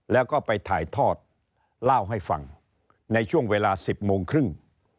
แล้วก็ไปถ่ายทอดเล่าให้ฟังในช่วงเวลา๑๐โมงครึ่ง